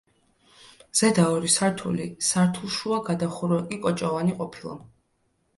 ზედა ორი სართული სართულშუა გადახურვა კი კოჭოვანი ყოფილა.